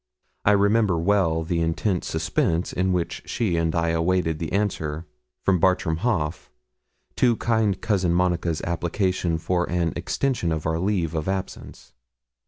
I remember well the intense suspense in which she and I awaited the answer from Bartram Haugh to kind Cousin Monica's application for an extension of our leave of absence.